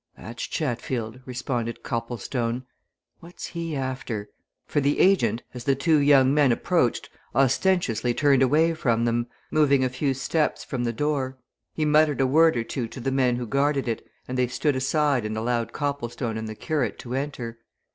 "That's Chatfield," responded Copplestone. "What's he after?" For the agent, as the two young men approached, ostentiously turned away from them, moving a few steps from the door. He muttered a word or two to the men who guarded it and they stood aside and allowed Copplestone and the curate to enter.